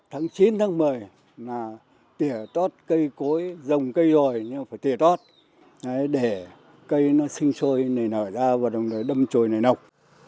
tháng chín tháng một mươi là tỉa tót cây cối rồng cây rồi nhưng mà phải tỉa tót để cây nó sinh sôi này nở ra và đâm trôi này nọc